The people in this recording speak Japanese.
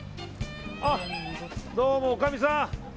どうも、おかみさん。